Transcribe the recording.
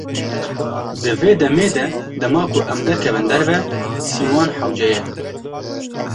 Di vê demê de dema ku em derkevin derve, sîwan hewce ye.